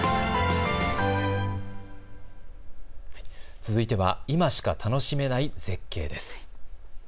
続いては今しか楽しめない絶景です。